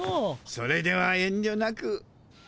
それでは遠りょなく。